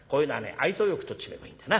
愛想よく通っちめえばいいんだな。